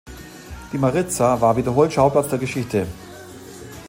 Die Mariza war wiederholt Schauplatz der Geschichte.